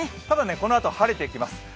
ただね、このあと晴れてきます。